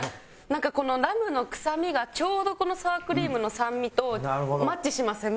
なんかこのラムの臭みがちょうどこのサワークリームの酸味とマッチしません？